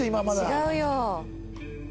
違うよ。